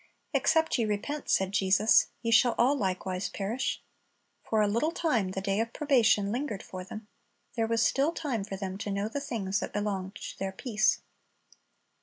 "Except ye repent," said Jesus, "ye shall all likewise perish." For a little time the day of probation lingered for them. There was still time for them to know the things that belonged to their peace.